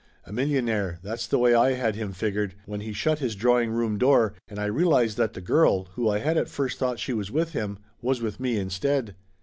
A millionaire, that's the way I had him figured, when he shut his drawing room door, and I realized that the girl, who I had at first thought she was with him, was with me, instead.